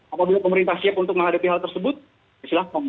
apabila pemerintah siap untuk menghadapi hal tersebut silahkan